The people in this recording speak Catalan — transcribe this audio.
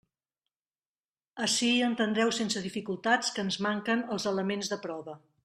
Ací entendreu sense dificultats que ens manquen els elements de prova.